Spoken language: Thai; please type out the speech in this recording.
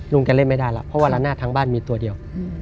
แกเล่นไม่ได้แล้วเพราะว่าละนาดทั้งบ้านมีตัวเดียว